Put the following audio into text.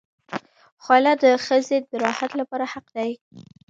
خلع د ښځې د راحت لپاره حق دی.